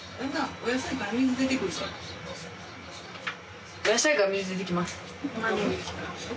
お野菜から水出てきます